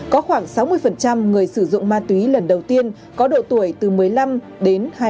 có khoảng sáu mươi người sử dụng ma túy lần đầu tiên có độ tuổi từ một mươi năm đến hai mươi